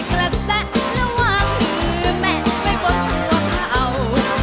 กระแสระหว่างมือแม่งไว้บนหัวข้าว